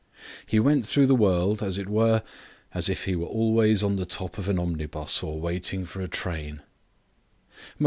He went through the world, as it were, as if he were always on the top of an omnibus or waiting for a train.